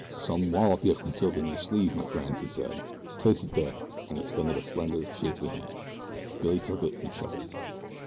"Some wallop you have concealed in your sleeve, my friend," he said; "place it there!" and he extended a slender, shapely hand. Billy took it and shook it.